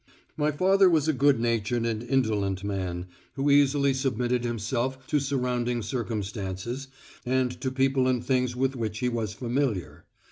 My father was a good natured and indolent man, who easily submitted himself to surrounding circumstances and to people and things with which he was familiar.